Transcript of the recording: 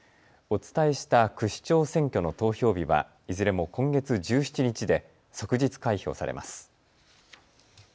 お伝えした区市長選挙の投票日はいずれも今月１７日で即日開票されます。